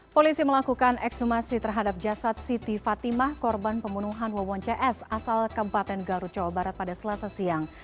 polisi melakukan ekshumasi terhadap jasad siti fatimah korban pembunuhan wawon cs asal kempaten garut jawa barat pada selasa siang